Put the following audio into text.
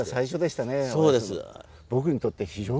そうですか。